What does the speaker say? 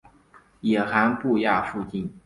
野寒布岬附近。